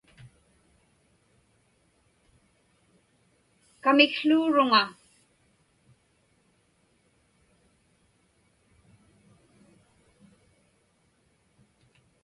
Kamikłuuruŋa.